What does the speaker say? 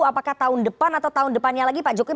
apakah tahun depan atau tahun depannya lagi pak jokowi